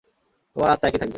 তোমার আত্মা একই থাকবে।